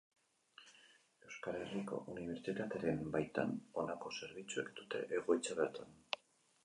Euskal Herriko Unibertsitatearen baitan, honako zerbitzuek dute egoitza bertan.